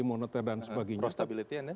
moneter dan sebagainya pro stability an ya